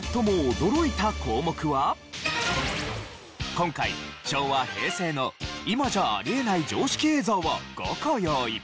今回昭和・平成の今じゃあり得ない常識映像を５個用意。